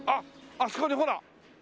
あそこにほら！